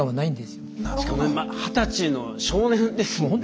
しかも二十歳の少年ですもんね。